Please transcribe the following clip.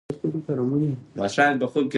پسرلی د افغانستان د طبیعي پدیدو یو رنګ دی.